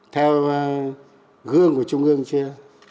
theo gương của trung ương chưa